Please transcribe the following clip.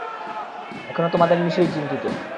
এখনো তোমাদের নিশেই চিন্তিত।